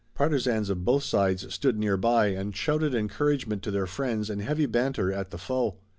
Partisans of both sides stood nearby and shouted encouragement to their friends and heavy banter at the foe.